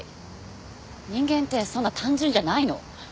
人間ってそんな単純じゃないの。